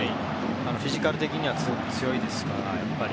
フィジカル的には強いですからやっぱり。